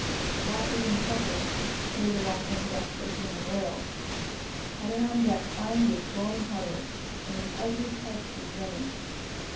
While eating supper, hear the watch on deck taking in the royals. Coming on deck, find it is blowing harder, and an ugly head sea is running.